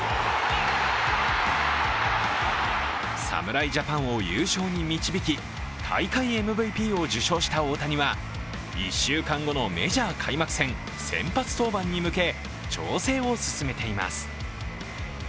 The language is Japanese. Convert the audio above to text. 侍ジャパンを優勝に導き大会ＭＶＰを受賞した大谷は１週間後のメジャー開幕戦先発登板に向け調整を進めています。